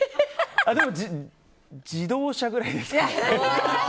でも、自動車ぐらいですかね。